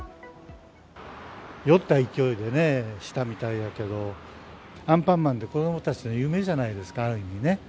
酔った勢いでね、したみたいだけど、アンパンマンって、子どもたちの夢じゃないですか、ある意味ね。